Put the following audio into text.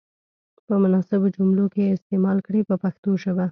په مناسبو جملو کې یې استعمال کړئ په پښتو ژبه.